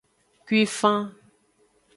Kuifan.